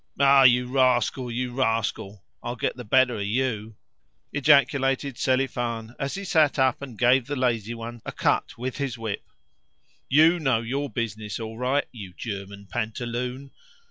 "Ah, you rascal, you rascal! I'll get the better of you!" ejaculated Selifan as he sat up and gave the lazy one a cut with his whip. "YOU know your business all right, you German pantaloon!